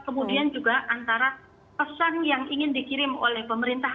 kemudian juga antara pesan yang ingin dikirim oleh pemerintah